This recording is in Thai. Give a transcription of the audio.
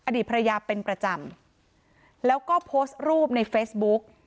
อดีตภรรยาเป็นประจำแล้วก็โพสต์รูปในเฟซบุ๊ก